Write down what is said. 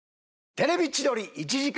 『テレビ千鳥』１時間